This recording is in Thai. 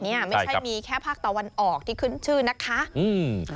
ไม่ใช่มีแค่ภาคตะวันออกที่ขึ้นชื่อนะคะอืม